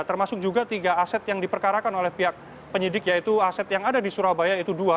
termasuk juga tiga aset yang diperkarakan oleh pihak penyidik yaitu aset yang ada di surabaya itu dua